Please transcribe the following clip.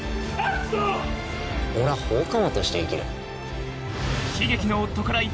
俺は放火魔として生きる。